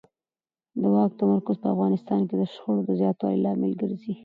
د واک تمرکز په افغانستان کې د شخړو د زیاتوالي لامل ګرځي